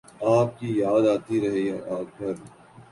آپ کی یاد آتی رہی رات بھر